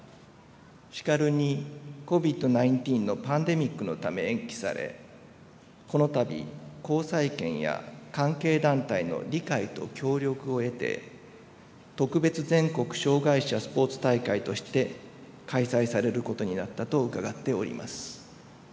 しかるに、ＣＯＶＩＤ‐１９のパンデミックのため延期されこの度、後催県や関係団体の理解と協力を得て「特別全国障害者スポーツ大会」として開催されることになったと伺っております。